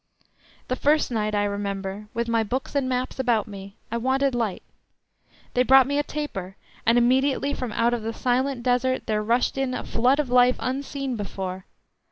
The first night, I remember, with my books and maps about me, I wanted light; they brought me a taper, and immediately from out of the silent Desert there rushed in a flood of life unseen before.